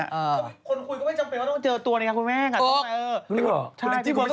คนคุยก็ไม่จำเป็นว่าต้องเจอตัวไงก็จกไม่ณัก